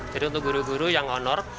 jadi untuk guru guru yang honor